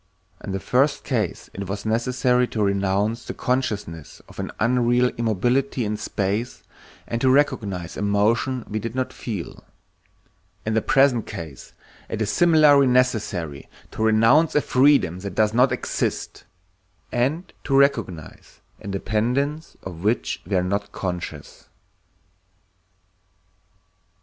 In the first case it was necessary to renounce the consciousness of an unreal immobility in space and to recognize a motion we did not feel; in the present case it is similarly necessary to renounce a freedom that does not exist, and to recognize a dependence of which we are not conscious.